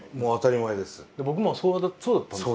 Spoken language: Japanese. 僕もそうだったんです。